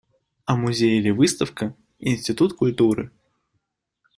А музей или выставка – институт культуры.